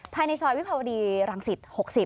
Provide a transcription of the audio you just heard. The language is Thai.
ภายในซอยวิภาวดีรังสิต๖๐